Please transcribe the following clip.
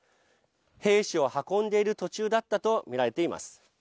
兵士を運んでいる途中だったと見られています。